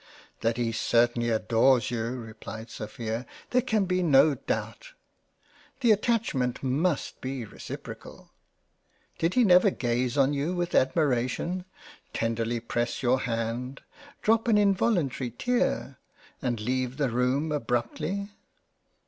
" That he certainly adores you (replied Sophia) there can be no doubt —. The Attachment must be reciprocal. Did he never gaze on you with admiration — tenderly press your hand — drop an involantary tear — and leave the room abruptly